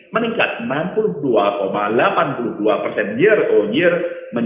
meningkat enam puluh dua enam persen